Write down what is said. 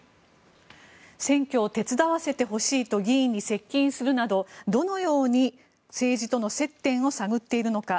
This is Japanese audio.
選挙を手伝わせてほしいと議員に接近するなどどのように政治との接点を探っているのか。